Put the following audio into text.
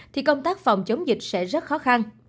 thì công tác phòng chống dịch sẽ rất khó khăn